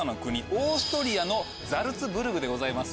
オーストリアのザルツブルクでございます。